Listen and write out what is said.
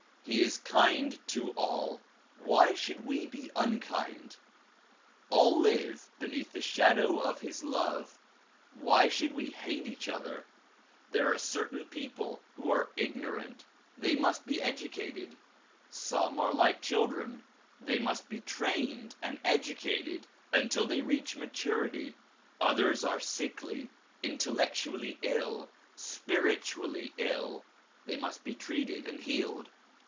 He is kind to all ; why should we be unkind ? All live beneath the shadow of his love; why should we hate each other? There are certain people who are ignorant; they must be educated. Some are like children ; they must be trained and edu cated until they reach maturity. Others are sickly, intellectually ill, spiritually ill ; they must be treated and healed.